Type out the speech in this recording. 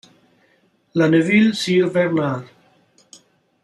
La Neuville-Sire-Bernard